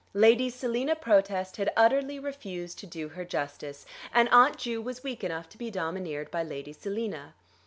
Lady Selina Protest had utterly refused to do her justice, and Aunt Ju was weak enough to be domineered by Lady Selina.